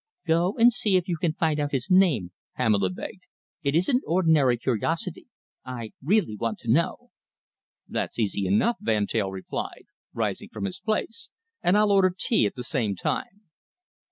"Go and see if you can find out his name," Pamela begged. "It isn't ordinary curiosity. I really want to know." "That's easy enough," Van Teyl replied, rising from his place. "And I'll order tea at the same time."